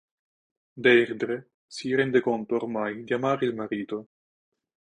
Deirdre si rende conto ormai di amare il marito.